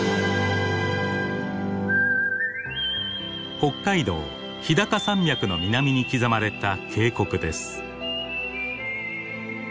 北海道日高山脈の南に刻まれた渓谷です。